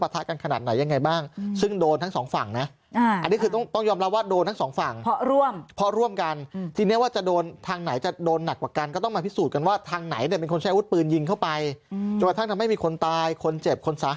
ทีนี้เน้นถามนิดนึงเวลาที่ดูคดีอายกรรมนี่นะคะ